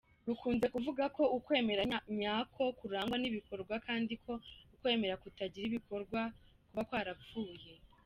Dukunze kuvugako ukwemera nyako kurangwa n’ibikorwa kandiko ukwemera kutagira ibikorwa kuba kwarapfuye.